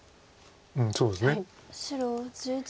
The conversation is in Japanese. そうですね。